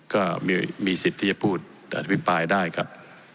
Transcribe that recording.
ก็มีสิทธิ์ที่จะพูดอภิปรายได้ครับ